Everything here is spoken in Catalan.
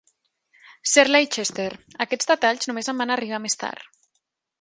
Sir Leicester, aquests detalls només em van arribar més tard.